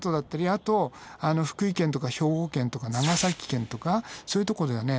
あと福井県とか兵庫県とか長崎県とかそういうとこではね